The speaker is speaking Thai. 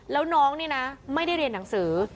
แล้วน้องนี่นะไม่ได้เรียนหนังสือ